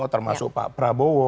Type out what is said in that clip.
termasuk pak prabowo